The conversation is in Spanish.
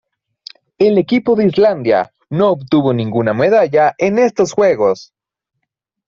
El equipo de Islandia no obtuvo ninguna medalla en estos Juegos.